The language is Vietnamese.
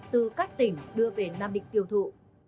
từ các tỉnh đưa về nam định tiêu thụ